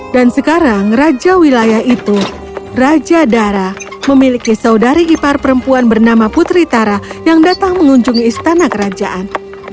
dan sekarang raja wilayah itu raja dara memiliki saudari kipar perempuan bernama putri tara yang datang mengunjungi istana kerajaan